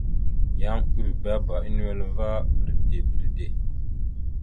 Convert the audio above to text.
Yan ʉbebá a nʉwel ava bredey bredey.